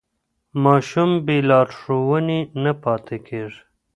ماشوم بې لارښوونې نه پاته کېږي.